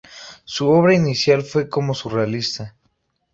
Su obra inicial fue como surrealista.